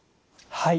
はい。